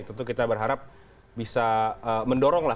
tentu kita berharap bisa mendoronglah